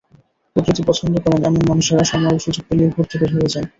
প্রকৃতি পছন্দ করেন, এমন মানুষেরা সময়-সুযোগ পেলেই ঘুরতে বের হয়ে যান।